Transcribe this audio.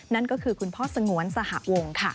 นั่นก็คือคุณพ่อสงวนสหวงค่ะ